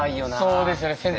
そうですよね。